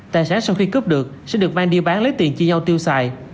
tài sản sau khi cướp được sẽ được mang đi bán lấy tiền chia nhau tiêu xài